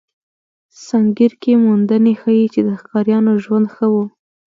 سنګیر کې موندنې ښيي، چې د ښکاریانو ژوند ښه و.